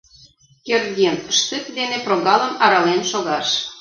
Кердин, штык дене прогалым арален шогаш!